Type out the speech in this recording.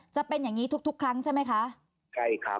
จะเป็นอย่างนี้ทุกครั้งใช่ไหมคะ